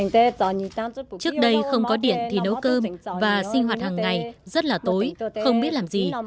trước đây không có điện thì nấu cơm và sinh hoạt hàng ngày rất là tối không biết làm gì